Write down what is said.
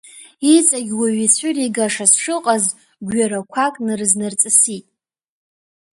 Иҵагь уаҩы ицәыригашаз шыҟаз гәҩарақәак нарызнарҵысит.